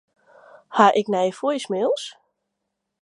Ha ik nije voicemails?